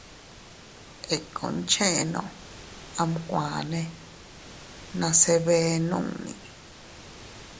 Ikkun cheʼeno amkuane nase bee nunni.